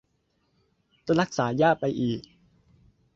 รักษายากไปอีก